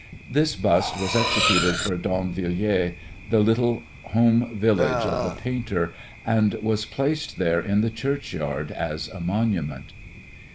This bust was executed for Damvillers, the little home village of the painter, and was placed there in the churchyard as a monument.